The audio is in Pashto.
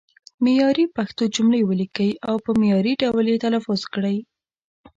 معیاري پښتو جملې ولیکئ او په معیاري ډول یې تلفظ کړئ.